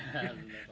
iya benar pak